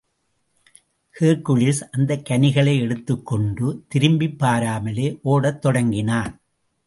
ஹெர்க் குலிஸ், அந்தக் கனிகளை எடுத்துக் கொண்டு, திரும்பிப் பாராமலே ஓடத் தொடங்கினான்.